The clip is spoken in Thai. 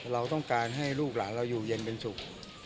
เราต้องการให้ลูกหลานเราอยู่เย็นเป็นสุข